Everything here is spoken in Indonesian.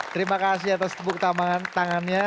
terima kasih atas tepuk tangannya